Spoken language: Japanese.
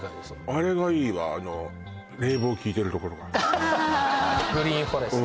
あれがいいわあの冷房効いてる所がアッハッハグリーンフォレスト